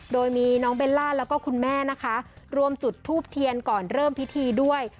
โดยมีน้องเบลล่าแล้วก็คุณแม่นะคะรวมจุดทูบเทียนก่อนเริ่มพิธีด้วย